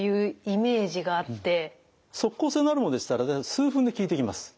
即効性のあるものでしたら数分で効いてきます。